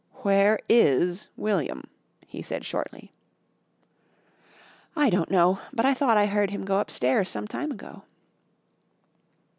"Where is William?" he said shortly. "I don't know, but I thought I heard him go upstairs some time ago."